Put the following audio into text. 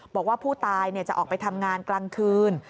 บอกว่าผู้ตายจะออกไปทำงานกลางคืน